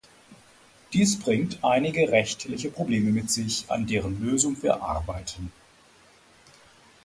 Dies bringt einige rechtliche Probleme mit sich, an deren Lösung wir arbeiten.